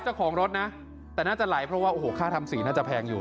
เจ้าของรถนะแต่น่าจะไหลเพราะว่าโอ้โหค่าทำสีน่าจะแพงอยู่